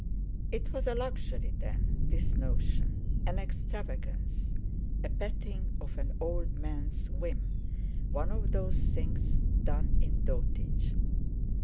It was a luxury then, this notion. An extravagance, a petting of an old man's whim, one of those things done in dotage.